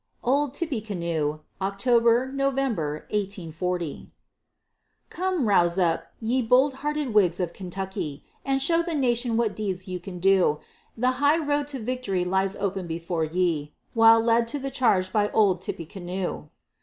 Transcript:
OLD TIPPECANOE [October, November, 1840] Come, rouse up, ye bold hearted Whigs of Kentucky, And show the nation what deeds you can do; The high road to victory lies open before ye While led to the charge by Old Tippecanoe.